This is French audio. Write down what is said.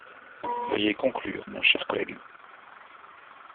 Veuillez conclure, mon cher collègue.